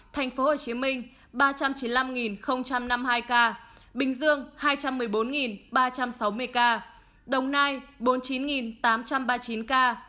thành phố hồ chí minh ba trăm chín mươi năm năm mươi hai ca bình dương hai trăm một mươi bốn ba trăm sáu mươi ca đồng nai bốn mươi chín tám trăm ba mươi chín ca